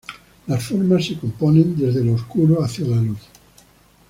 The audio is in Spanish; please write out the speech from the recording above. Las formas se componen desde lo oscuro hacia la luz.